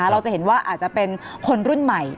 เราจะเห็นว่าอาจจะเป็นคนรุ่นใหม่